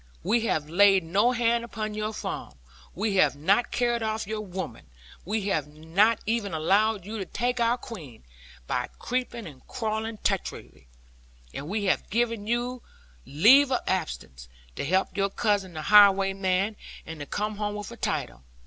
We have laid no hand upon your farm, we have not carried off your women, we have even allowed you to take our Queen, by creeping and crawling treachery; and we have given you leave of absence to help your cousin the highwayman, and to come home with a title.